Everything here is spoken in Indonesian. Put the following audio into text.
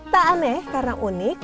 tak aneh karena unik